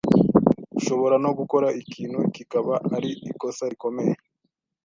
Ushobora no gukora ikintu kikaba ari ikosa rikomeye